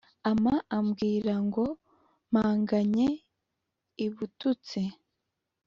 ampa ambwira, ngo mpangamye i bututsi.